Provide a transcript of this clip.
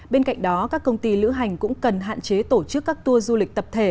bên cạnh đó các công ty lữ hành cũng cần hạn chế tổ chức các tour du lịch tập thể